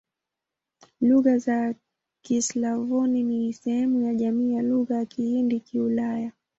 Lugha za Kislavoni ni sehemu ya jamii ya Lugha za Kihindi-Kiulaya.